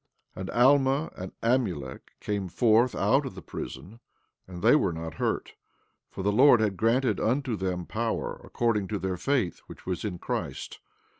14:28 And Alma and Amulek came forth out of the prison, and they were not hurt; for the Lord had granted unto them power, according to their faith which was in Christ.